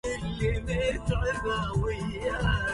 أكرموا مطران أو لا تكرموه